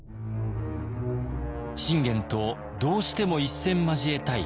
信玄とどうしても一戦交えたい謙信。